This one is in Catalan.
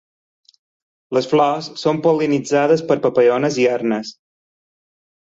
Les flors són pol·linitzades per papallones i arnes.